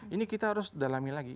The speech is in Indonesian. ini kita harus dalami lagi